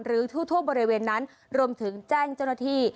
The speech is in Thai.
ทั่วบริเวณนั้นรวมถึงแจ้งเจ้าหน้าที่